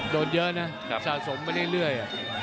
โดนเยอะนะสะสมไปเรื่อย